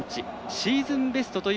シーズンベストという